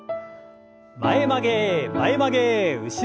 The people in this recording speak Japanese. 前曲げ前曲げ後ろ反り。